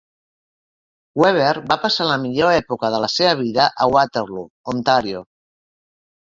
Weber va passar la millor època de la seva vida a Waterloo, Ontario.